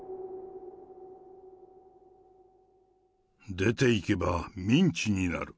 出ていけばミンチになる。